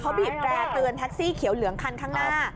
เขาบีดตรงเฉียวเหลืองทางหน้า